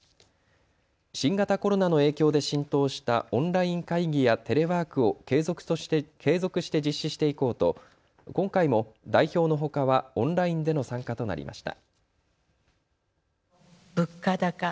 新型コロナの影響で浸透したオンライン会議やテレワークを継続して実施していこうと今回も代表のほかはオンラインでの参加となりました。